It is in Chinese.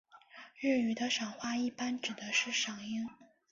日语的赏花一般指的是赏樱。